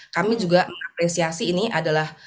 kami juga mengapresiasi ini adalah